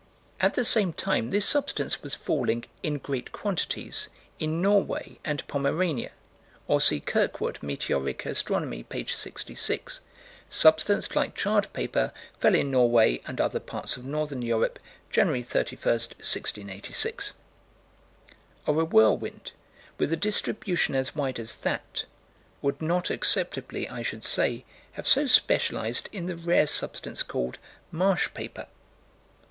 At the same time, this substance was falling "in great quantities," in Norway and Pomerania. Or see Kirkwood, Meteoric Astronomy, p. 66: "Substance like charred paper fell in Norway and other parts of northern Europe, Jan. 31, 1686." Or a whirlwind, with a distribution as wide as that, would not acceptably, I should say, have so specialized in the rare substance called "marsh paper."